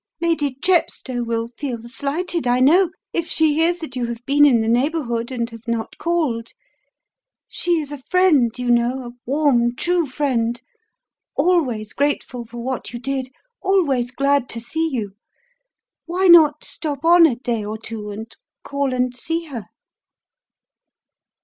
"Lady Chepstow will feel slighted, I know, if she hears that you have been in the neighbourhood and have not called. She is a friend, you know, a warm, true friend always grateful for what you did, always glad to see you. Why not stop on a day or two and call and see her?"